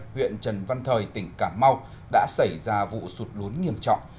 huyện trần văn thời tỉnh cà mau đã xảy ra vụ sụt lún nghiêm trọng